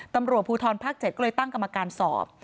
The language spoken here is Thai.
ตำรวจภูทรภาค๗ก็เลยตั้งกรรมการสอบ